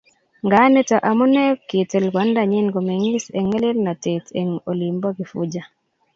Nga nito amune kitil kwandanyi komengid eng ngelelnotet eng olibo Kifuja